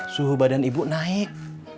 suhu badan ibu naik